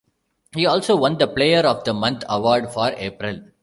He also won the Player of The Month Award for April.